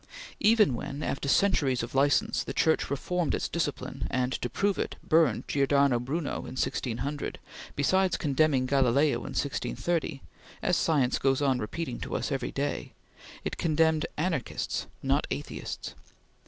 Even when, after centuries of license, the Church reformed its discipline, and, to prove it, burned Giordano Bruno in 1600, besides condemning Galileo in 1630 as science goes on repeating to us every day it condemned anarchists, not atheists.